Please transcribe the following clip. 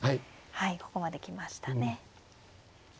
はいここまで来ましたね。